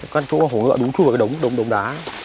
các chỗ hổ ngựa đúng chung với cái đống đống đống đá